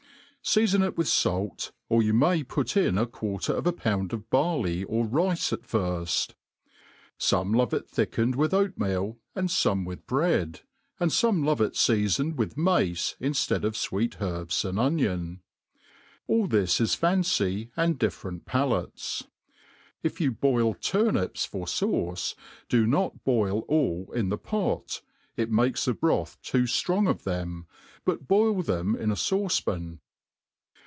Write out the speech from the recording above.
Seafon it wifh u\i\ or you ma^ put in a quarter of a pound of barley or rice at firft* Some love it thickened with oatmeal, and fome with bre^; and fome love it feafoned with mace, inuead of fweet herbs and onion. All this is fancy, and dfiFerent palates. If you boil turnips for fauce, do not boil all in the pot, it makes the broth too ftrong of them, but boil them in a fauce pan.